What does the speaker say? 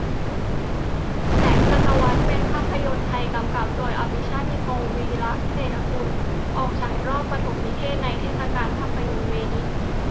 แสงศตวรรษเป็นภาพยนตร์ไทย กำกับโดย อภิชาติพงศ์ วีระเศรษฐกุล ออกฉายรอบปฐมทัศน์ในเทศกาลภาพยนตร์เวนิส